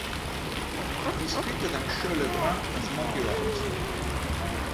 Fi scritta da Michel Legrand e Smokey Robinson.